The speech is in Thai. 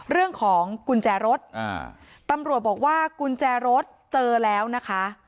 เรื่องของกุญแจรถตำรวจบอกว่ากุญแจรถเจอแล้วนะคะ